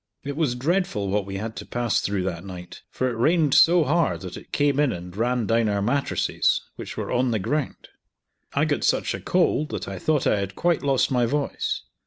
It was dreadful what we had to pass through that night, for it rained so hard that it came in and ran down our mattresses, which were on the ground. I got such a cold that I thought I had quite lost my voice.